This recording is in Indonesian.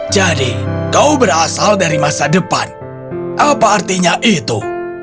jadi kau berasal dari masa depan apa artinya itu